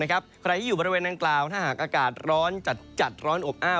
ใครที่อยู่บริเวณนางกล่าวถ้าหากอากาศร้อนจัดร้อนอบอ้าว